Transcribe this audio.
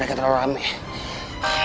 mika terlalu ramai